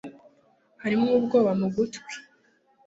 Hariho umwobo mu gutwi